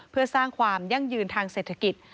เพื่อสร้างความยั่งยืนทางเศรษฐกิจ